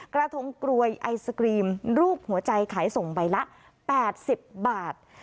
กระทงกรวยไอศกรีมรูปหัวใจขายส่งใบละ๘๐บาท